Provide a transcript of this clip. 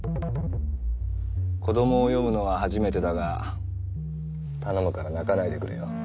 子供を読むのは初めてだが頼むから泣かないでくれよ。